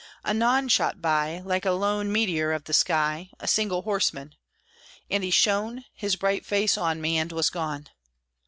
Anon shot by, Like a lone meteor of the sky, A single horseman; and he shone His bright face on me, and was gone.